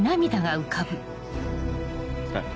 はい。